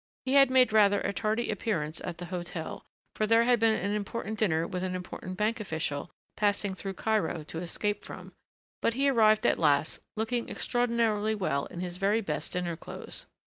He had made rather a tardy appearance at the hotel, for there had been an important dinner with an important bank official passing through Cairo to escape from, but he arrived at last, looking extraordinarily well in his very best dinner clothes.